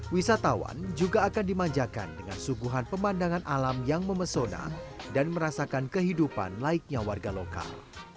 wisatawan juga akan dimanjakan dengan suguhan pemandangan alam yang memesona dan merasakan kehidupan laiknya warga lokal